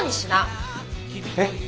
えっ？